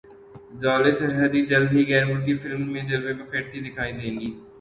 ژالے سرحدی جلد ہی غیر ملکی فلم میں جلوے بکھیرتی دکھائی دیں گی